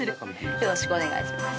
よろしくお願いします。